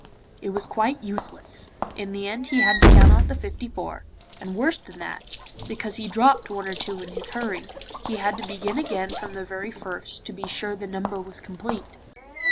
It was quite useless, in the end he had to count out the fifty four, and worse than that, because he dropped one or two in his hurry, he had to begin again from the very first, to be sure the number was complete.